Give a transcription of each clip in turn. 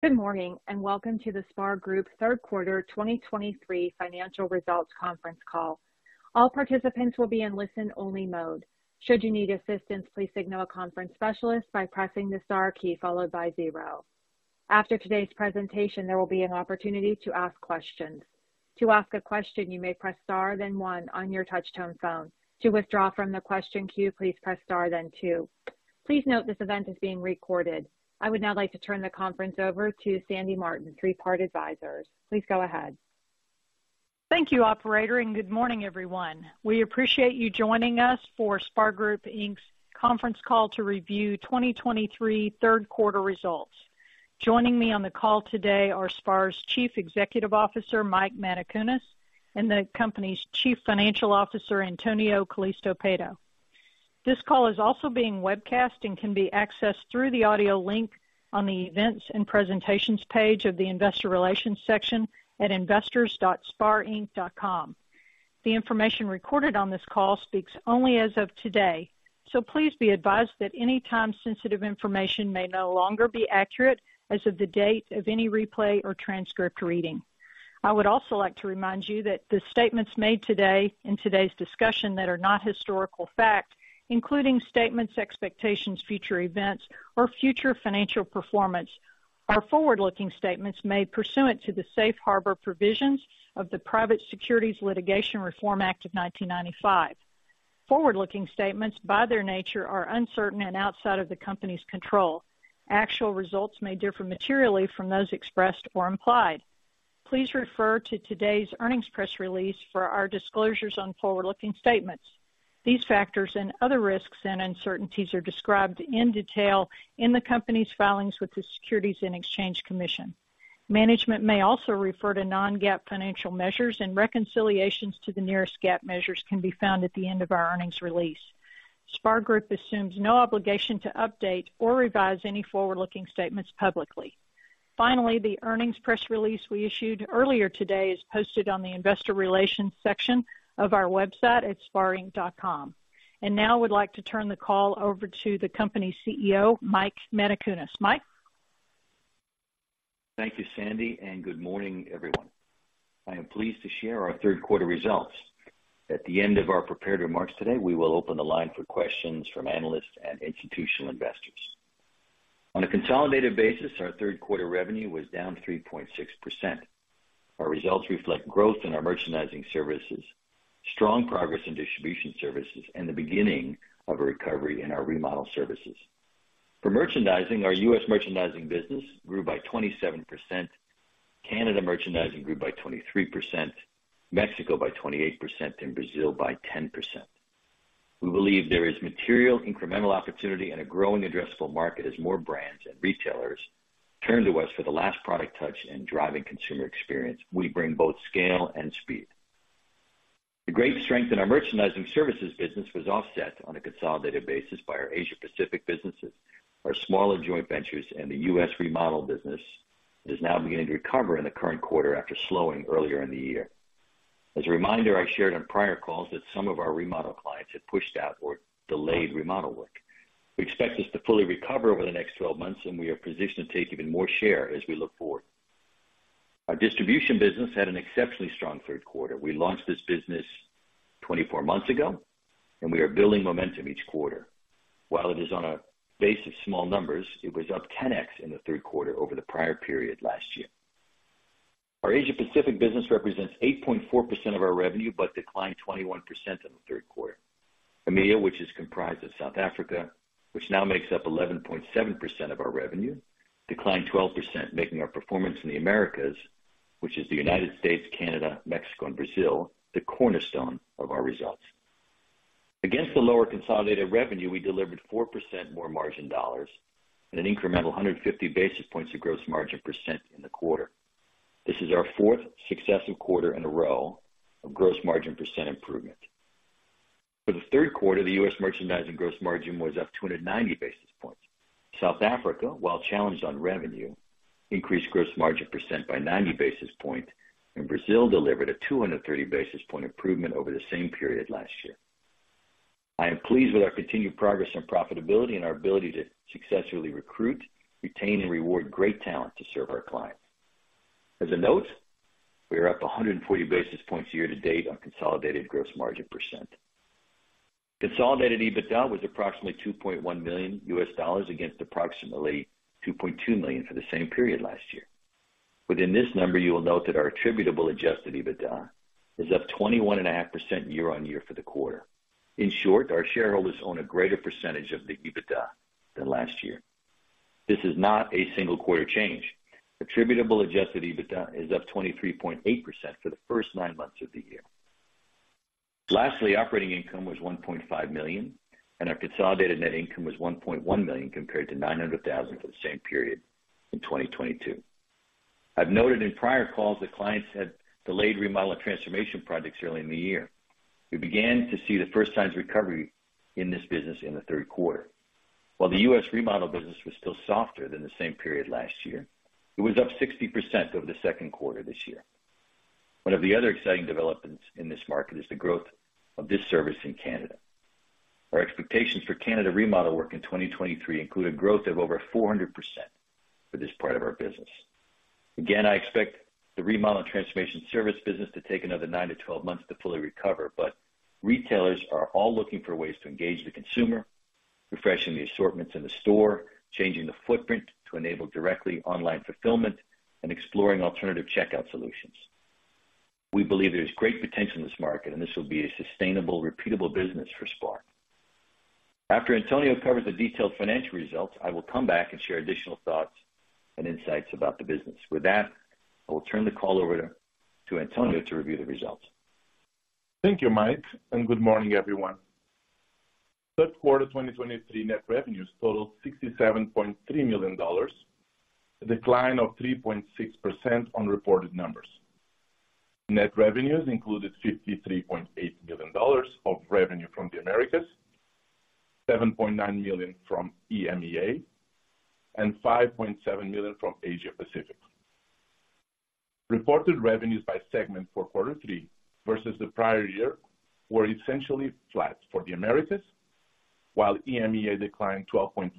Good morning, and welcome to the SPAR Group third quarter 2023 financial results conference call. All participants will be in listen-only mode. Should you need assistance, please signal a conference specialist by pressing the star key followed by zero. After today's presentation, there will be an opportunity to ask questions. To ask a question, you may press star, then one on your touchtone phone. To withdraw from the question queue, please press star, then two. Please note, this event is being recorded. I would now like to turn the conference over to Sandy Martin, Three Part Advisors. Please go ahead. Thank you, operator, and good morning, everyone. We appreciate you joining us for SPAR Group, Inc.'s conference call to review 2023 third quarter results. Joining me on the call today are SPAR's Chief Executive Officer, Mike Matacunas, and the company's Chief Financial Officer, Antonio Calisto Pato. This call is also being webcast and can be accessed through the audio link on the Events and Presentations page of the Investor Relations section at investors.sparinc.com. The information recorded on this call speaks only as of today, so please be advised that any time sensitive information may no longer be accurate as of the date of any replay or transcript reading. I would also like to remind you that the statements made today in today's discussion that are not historical fact, including statements, expectations, future events, or future financial performance, are forward-looking statements made pursuant to the Safe Harbor Provisions of the Private Securities Litigation Reform Act of 1995. Forward-looking statements, by their nature, are uncertain and outside of the company's control. Actual results may differ materially from those expressed or implied. Please refer to today's earnings press release for our disclosures on forward-looking statements. These factors and other risks and uncertainties are described in detail in the company's filings with the Securities and Exchange Commission. Management may also refer to non-GAAP financial measures, and reconciliations to the nearest GAAP measures can be found at the end of our earnings release. SPAR Group assumes no obligation to update or revise any forward-looking statements publicly. Finally, the earnings press release we issued earlier today is posted on the Investor Relations section of our website at sparinc.com. Now I would like to turn the call over to the company's CEO, Mike Matacunas. Mike? Thank you, Sandy, and good morning, everyone. I am pleased to share our third quarter results. At the end of our prepared remarks today, we will open the line for questions from analysts and institutional investors. On a consolidated basis, our third quarter revenue was down 3.6%. Our results reflect growth in our merchandising services, strong progress in distribution services, and the beginning of a recovery in our remodel services. For merchandising, our U.S. merchandising business grew by 27%, Canada merchandising grew by 23%, Mexico by 28%, and Brazil by 10%. We believe there is material incremental opportunity and a growing addressable market as more brands and retailers turn to us for the last product touch and driving consumer experience. We bring both scale and speed. The great strength in our merchandising services business was offset on a consolidated basis by our Asia Pacific businesses. Our smaller joint ventures and the U.S. remodel business is now beginning to recover in the current quarter after slowing earlier in the year. As a reminder, I shared on prior calls that some of our remodel clients had pushed out or delayed remodel work. We expect this to fully recover over the next 12 months, and we are positioned to take even more share as we look forward. Our distribution business had an exceptionally strong third quarter. We launched this business 24 months ago, and we are building momentum each quarter. While it is on a base of small numbers, it was up 10x in the third quarter over the prior period last year. Our Asia Pacific business represents 8.4% of our revenue, but declined 21% in the third quarter. EMEA, which is comprised of South Africa, which now makes up 11.7% of our revenue, declined 12%, making our performance in the Americas, which is the United States, Canada, Mexico and Brazil, the cornerstone of our results. Against the lower consolidated revenue, we delivered 4% more margin dollars and an incremental 150 basis points of gross margin percent in the quarter. This is our fourth successive quarter in a row of gross margin percent improvement. For the third quarter, the U.S. merchandising gross margin was up 290 basis points. South Africa, while challenged on revenue, increased gross margin percent by 90 basis points, and Brazil delivered a 230 basis point improvement over the same period last year. I am pleased with our continued progress on profitability and our ability to successfully recruit, retain, and reward great talent to serve our clients. As a note, we are up 140 basis points year to date on consolidated gross margin percent. Consolidated EBITDA was approximately $2.1 million, against approximately $2.2 million for the same period last year. Within this number, you will note that our Attributable Adjusted EBITDA is up 21.5% year-over-year for the quarter. In short, our shareholders own a greater percentage of the EBITDA than last year. This is not a single quarter change. Attributable Adjusted EBITDA is up 23.8% for the first nine months of the year. Lastly, operating income was $1.5 million and our consolidated net income was $1.1 million, compared to $900,000 for the same period in 2022. I've noted in prior calls that clients had delayed remodel and transformation projects early in the year. We began to see the first signs of recovery in this business in the third quarter. While the U.S. remodel business was still softer than the same period last year, it was up 60% over the second quarter this year. One of the other exciting developments in this market is the growth of this service in Canada. Our expectations for Canada remodel work in 2023 include a growth of over 400% for this part of our business. Again, I expect the remodel and transformation service business to take another 9-12 months to fully recover, but retailers are all looking for ways to engage the consumer, refreshing the assortments in the store, changing the footprint to enable directly online fulfillment, and exploring alternative checkout solutions. We believe there's great potential in this market, and this will be a sustainable, repeatable business for SPAR. After Antonio covers the detailed financial results, I will come back and share additional thoughts and insights about the business. With that, I will turn the call over to Antonio to review the results. Thank you, Mike, and good morning, everyone. Third quarter 2023 net revenues totaled $67.3 million, a decline of 3.6% on reported numbers. Net revenues included $53.8 million of revenue from the Americas, $7.9 million from EMEA, and $5.7 million from Asia Pacific. Reported revenues by segment for quarter three versus the prior year were essentially flat for the Americas, while EMEA declined 12.1%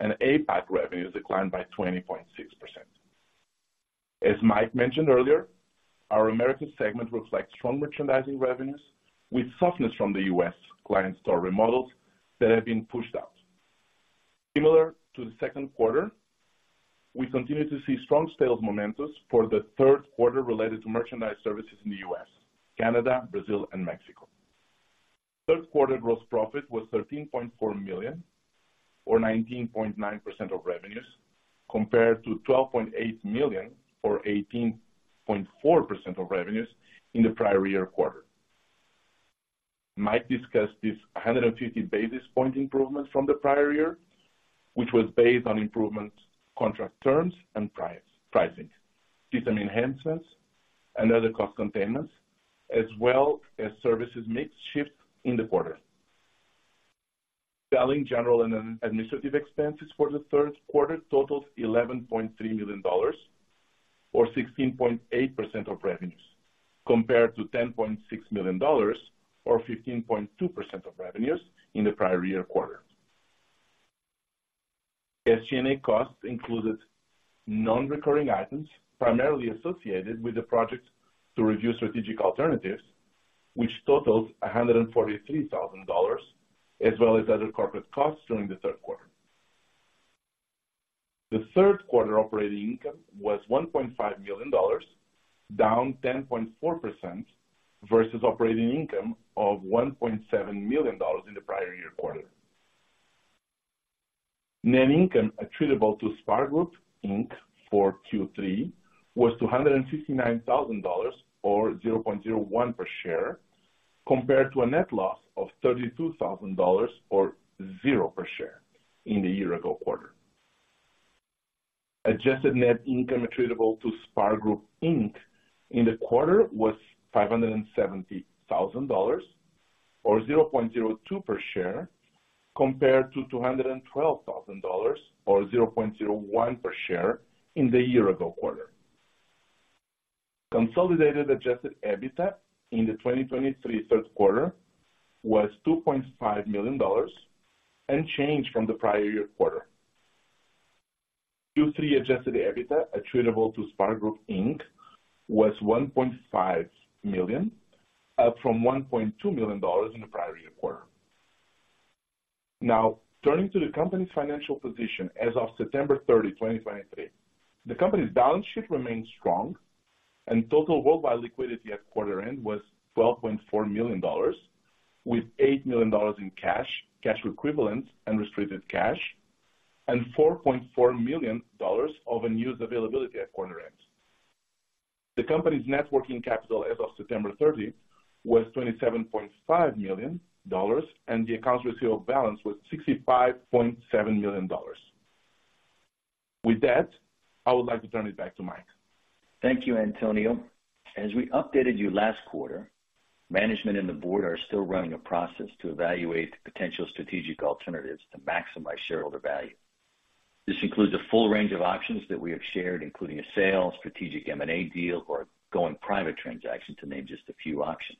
and APAC revenues declined by 20.6%. As Mike mentioned earlier, our Americas segment reflects strong merchandising revenues with softness from the U.S. client store remodels that have been pushed out. Similar to the second quarter, we continue to see strong sales momentum for the third quarter related to merchandise services in the U.S., Canada, Brazil and Mexico. Third quarter gross profit was $13.4 million, or 19.9% of revenues, compared to $12.8 million, or 18.4% of revenues in the prior year quarter. Mike discussed this 150 basis point improvement from the prior year, which was based on improvement contract terms and price, pricing, system enhancements and other cost containments, as well as services mix shift in the quarter. Selling, general, and administrative expenses for the third quarter totaled $11.3 million, or 16.8% of revenues, compared to $10.6 million, or 15.2% of revenues in the prior year quarter. SG&A costs included non-recurring items, primarily associated with the project to review strategic alternatives, which totaled $143,000, as well as other corporate costs during the third quarter. The third quarter operating income was $1.5 million, down 10.4% versus operating income of $1.7 million in the prior year quarter. Net income attributable to SPAR Group, Inc. for Q3 was $259,000, or $0.01 per share, compared to a net loss of $32,000, or $0 per share in the year-ago quarter. Adjusted net income attributable to SPAR Group, Inc. in the quarter was $570,000, or $0.02 per share, compared to $212,000, or $0.01 per share in the year-ago quarter. Consolidated Adjusted EBITDA in the 2023 third quarter was $2.5 million unchanged from the prior year quarter. Q3 adjusted EBITDA attributable to SPAR Group, Inc. was $1.5 million, up from $1.2 million in the prior year quarter. Now, turning to the company's financial position. As of September 30, 2023, the company's balance sheet remains strong and total worldwide liquidity at quarter end was $12.4 million, with $8 million in cash, cash equivalents and restricted cash, and $4.4 million of unused availability at quarter end. The company's net working capital as of September 30 was $27.5 million, and the accounts receivable balance was $65.7 million. With that, I would like to turn it back to Mike. Thank you, Antonio. As we updated you last quarter, management and the board are still running a process to evaluate potential strategic alternatives to maximize shareholder value. This includes a full range of options that we have shared, including a sale, strategic M&A deal, or going private transaction, to name just a few options.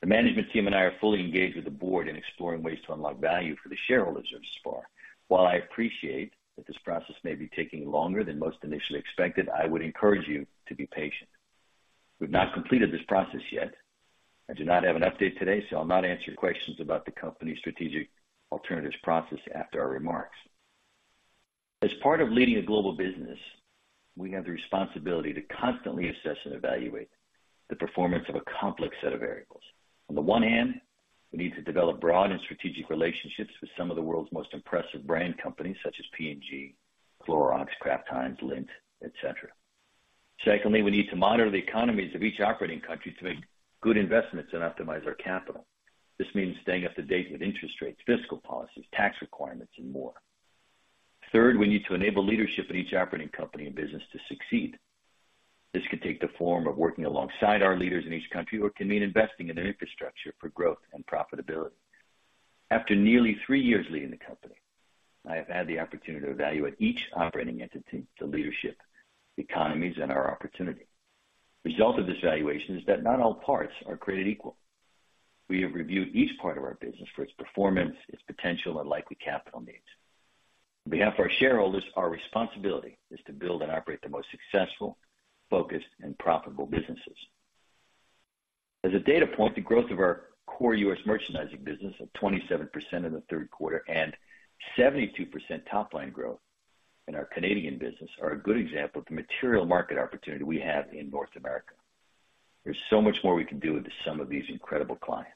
The management team and I are fully engaged with the board in exploring ways to unlock value for the shareholders of SPAR. While I appreciate that this process may be taking longer than most initially expected, I would encourage you to be patient. We've not completed this process yet. I do not have an update today, so I'll not answer questions about the company's strategic alternatives process after our remarks. As part of leading a global business, we have the responsibility to constantly assess and evaluate the performance of a complex set of variables. On the one hand, we need to develop broad and strategic relationships with some of the world's most impressive brand companies, such as P&G, Clorox, Kraft Heinz, Lindt, et cetera. Secondly, we need to monitor the economies of each operating country to make good investments and optimize our capital. This means staying up to date with interest rates, fiscal policies, tax requirements, and more. Third, we need to enable leadership in each operating company and business to succeed. This could take the form of working alongside our leaders in each country, or it can mean investing in their infrastructure for growth and profitability. After nearly three years leading the company. I have had the opportunity to evaluate each operating entity, the leadership, economies, and our opportunity. Result of this evaluation is that not all parts are created equal. We have reviewed each part of our business for its performance, its potential, and likely capital needs. On behalf of our shareholders, our responsibility is to build and operate the most successful, focused, and profitable businesses. As a data point, the growth of our core U.S. merchandising business of 27% in the third quarter and 72% top line growth in our Canadian business are a good example of the material market opportunity we have in North America. There's so much more we can do with some of these incredible clients.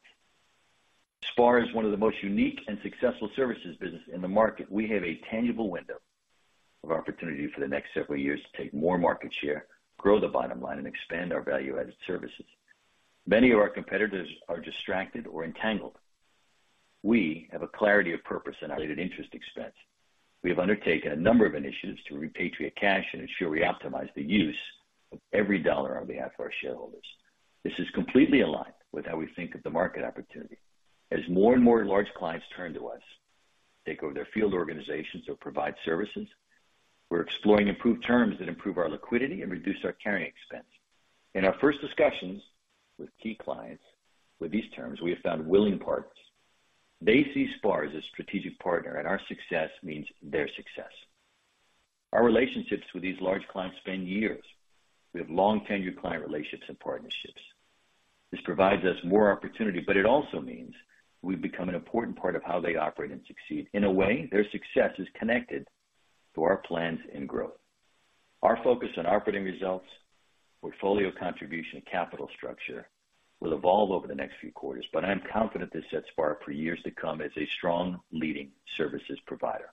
SPAR is one of the most unique and successful services business in the market. We have a tangible window of opportunity for the next several years to take more market share, grow the bottom line, and expand our value-added services. Many of our competitors are distracted or entangled. We have a clarity of purpose and related interest expense. We have undertaken a number of initiatives to repatriate cash and ensure we optimize the use of every dollar on behalf of our shareholders. This is completely aligned with how we think of the market opportunity. As more and more large clients turn to us, take over their field organizations or provide services, we're exploring improved terms that improve our liquidity and reduce our carrying expense. In our first discussions with key clients with these terms, we have found willing partners. They see SPAR as a strategic partner, and our success means their success. Our relationships with these large clients span years. We have long-tenured client relationships and partnerships. This provides us more opportunity, but it also means we've become an important part of how they operate and succeed. In a way, their success is connected to our plans and growth. Our focus on operating results, portfolio contribution, and capital structure will evolve over the next few quarters, but I'm confident this sets SPAR up for years to come as a strong leading services provider.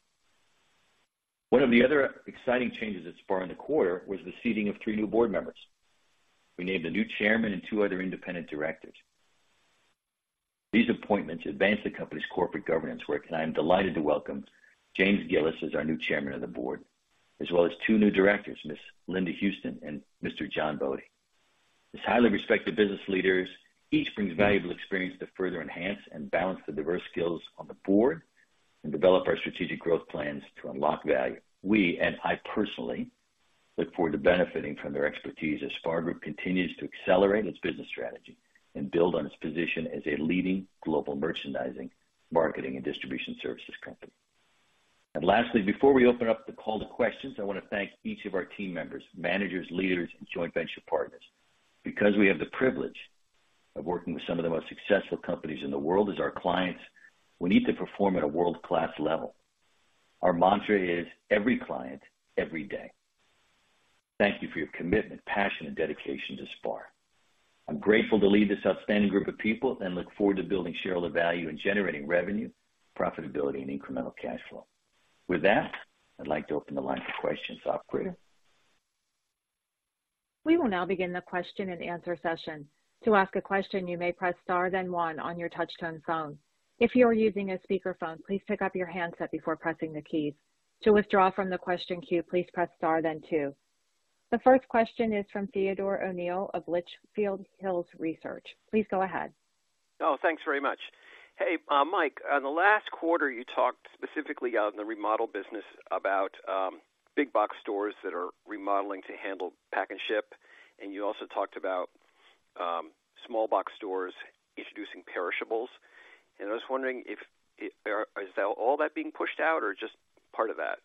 One of the other exciting changes at SPAR in the quarter was the seating of three new board members. We named a new chairman and two other independent directors. These appointments advance the company's corporate governance work, and I am delighted to welcome James Gillis as our new chairman of the board, as well as two new directors, Ms. Linda Houston and Mr. John Bode. As highly respected business leaders, each brings valuable experience to further enhance and balance the diverse skills on the board and develop our strategic growth plans to unlock value. We, and I personally, look forward to benefiting from their expertise as SPAR Group continues to accelerate its business strategy and build on its position as a leading global merchandising, marketing, and distribution services company. Lastly, before we open up the call to questions, I want to thank each of our team members, managers, leaders, and joint venture partners. Because we have the privilege of working with some of the most successful companies in the world as our clients, we need to perform at a world-class level. Our mantra is: Every client, every day. Thank you for your commitment, passion, and dedication to SPAR. I'm grateful to lead this outstanding group of people and look forward to building shareholder value and generating revenue, profitability, and incremental cash flow. With that, I'd like to open the line for questions, operator. We will now begin the question and answer session. To ask a question, you may press star, then one on your touchtone phone. If you are using a speakerphone, please pick up your handset before pressing the keys. To withdraw from the question queue, please press star then two. The first question is from Theodore O'Neill of Litchfield Hills Research. Please go ahead. Oh, thanks very much. Hey, Mike, on the last quarter, you talked specifically on the remodel business about big box stores that are remodeling to handle pack and ship, and you also talked about small box stores introducing perishables. And I was wondering if is all that being pushed out or just part of that?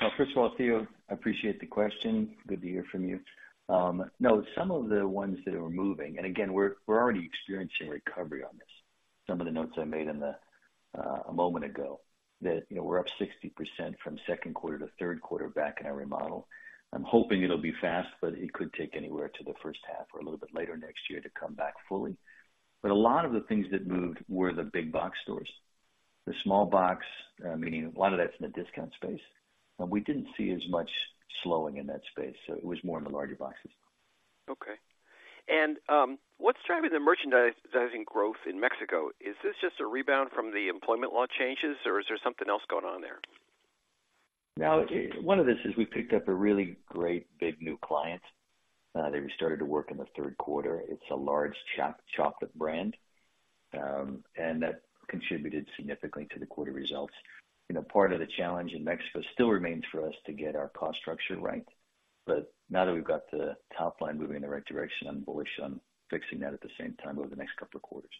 Well, first of all, Theo, I appreciate the question. Good to hear from you. No, some of the ones that are moving, and again, we're, we're already experiencing recovery on this. Some of the notes I made a moment ago, that, you know, we're up 60% from second quarter to third quarter back in our remodel. I'm hoping it'll be fast, but it could take anywhere to the first half or a little bit later next year to come back fully. But a lot of the things that moved were the big box stores. The small box, meaning a lot of that's in the discount space, and we didn't see as much slowing in that space, so it was more in the larger boxes. Okay. And, what's driving the merchandising growth in Mexico? Is this just a rebound from the employment law changes, or is there something else going on there? Now, one of this is we picked up a really great big, new client. They started to work in the third quarter. It's a large chocolate brand, and that contributed significantly to the quarter results. You know, part of the challenge in Mexico still remains for us to get our cost structure right, but now that we've got the top line moving in the right direction, I'm bullish on fixing that at the same time over the next couple of quarters.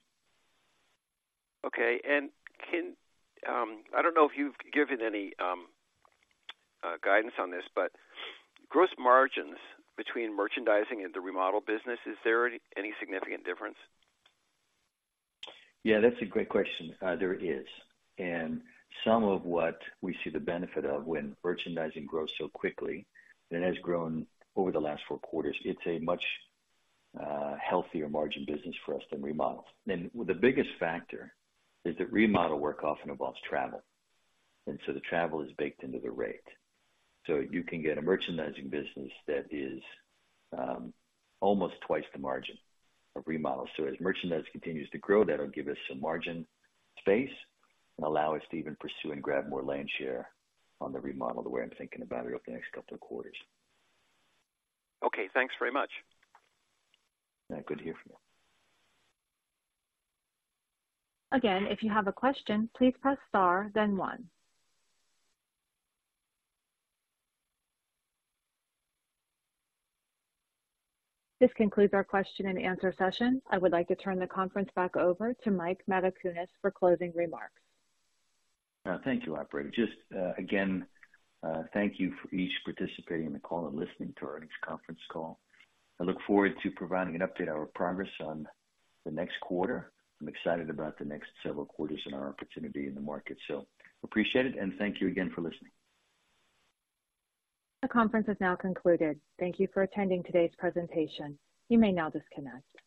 Okay. I don't know if you've given any guidance on this, but gross margins between merchandising and the remodel business, is there any significant difference? Yeah, that's a great question. There is, and some of what we see the benefit of when merchandising grows so quickly and has grown over the last four quarters, it's a much healthier margin business for us than remodels. And the biggest factor is that remodel work often involves travel, and so the travel is baked into the rate. So you can get a merchandising business that is almost twice the margin of remodels. So as merchandise continues to grow, that'll give us some margin space and allow us to even pursue and grab more land share on the remodel, the way I'm thinking about it over the next couple of quarters. Okay, thanks very much. Yeah, good to hear from you. Again, if you have a question, please press star then one. This concludes our question and answer session. I would like to turn the conference back over to Mike Matacunas for closing remarks. Thank you, operator. Just, again, thank you for each participating in the call and listening to our next conference call. I look forward to providing an update on our progress on the next quarter. I'm excited about the next several quarters and our opportunity in the market. So appreciate it, and thank you again for listening. The conference has now concluded. Thank you for attending today's presentation. You may now disconnect.